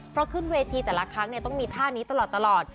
เพราะขึ้นเวทีแต่ละครั้งต้องมีท่านี้ตลอด